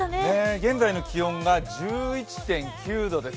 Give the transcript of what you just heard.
現在の気温が１１．９度です。